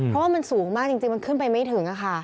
เพราะว่ามันสูงมากจริงมันขึ้นไปไม่ถึงค่ะ